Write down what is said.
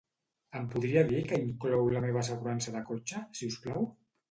Em podria dir que inclou la meva assegurança de cotxe si us plau?